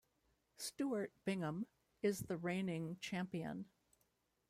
Stuart Bingham is the reigning champion.